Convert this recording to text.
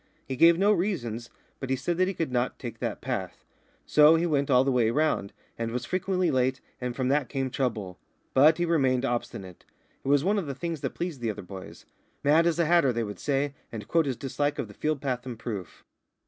He gave no reasons, but he said that he could not take that path. So he went all the way round, and was frequently late, and from that came trouble. But he remained obstinate. It was one of the things that pleased the other boys. "Mad as a hatter," they would say, and quote his dislike of the field path in proof.